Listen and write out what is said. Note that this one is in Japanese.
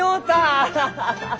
アハハハ！